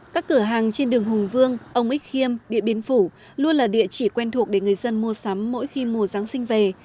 các cửa hàng trên đường hùng vương ông ích khiêm địa biến phủ luôn là địa chỉ quen thuộc để người dân mua sắm mỗi khi mùa giáng sinh về